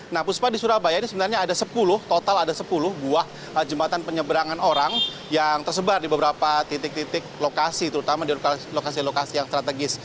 nah puspa di surabaya ini sebenarnya ada sepuluh total ada sepuluh buah jembatan penyeberangan orang yang tersebar di beberapa titik titik lokasi terutama di lokasi lokasi yang strategis